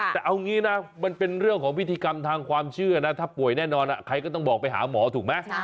แต่เอางี้นะมันเป็นเรื่องของพิธีกรรมทางความเชื่อนะถ้าป่วยแน่นอนใครก็ต้องบอกไปหาหมอถูกไหม